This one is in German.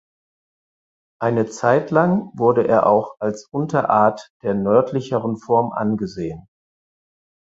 Eine Zeit lang wurde er auch als Unterart der nördlicheren Form angesehen.